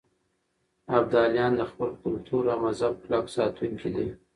ابدالیان د خپل کلتور او مذهب کلک ساتونکي دي.